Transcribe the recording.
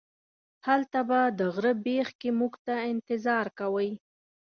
هلته به د غره بیخ کې موږ ته انتظار کوئ.